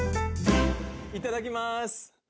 いただきます！